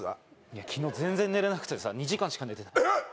いや昨日全然寝れなくてさ２時間しか寝てないえっ！？